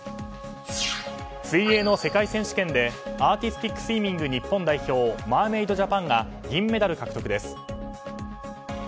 水泳の世界選手権でアーティスティックスイミング日本代表マーメイドジャパンが銀メダル獲得です。